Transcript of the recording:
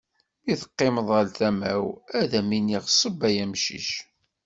Mi d-teqqimeḍ ɣer tama-w, ad am-iniɣ ṣebb ay amcic.